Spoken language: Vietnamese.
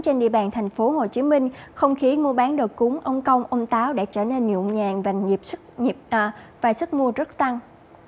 trên địa bàn thành phố hồ chí minh không khí mua bán đồ cúng ông công ông táo đã trở nên nhụn nhàng và sự mua rất tăng